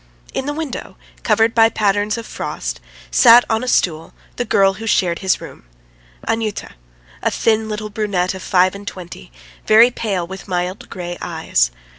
In the window, covered by patterns of frost, sat on a stool the girl who shared his room Anyuta, a thin little brunette of five and twenty, very pale with mild grey eyes.